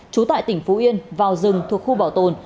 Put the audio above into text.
trú tại tỉnh phú yên vào rừng thuộc khu bảo tồn